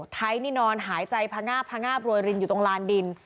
ไทยนี่นอนหายใจพงาบพงาบโรยรินอยู่ตรงลานดิน